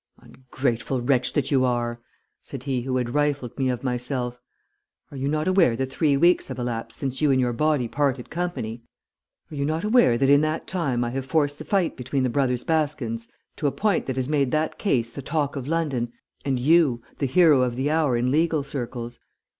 "'Ungrateful wretch that you are!' said he who had rifled me of myself. 'Are you not aware that three weeks have elapsed since you and your body parted company? Are you not aware that in that time I have forced the fight between the brothers Baskins to a point that has made that case the talk of London, and you, the hero of the hour in legal circles?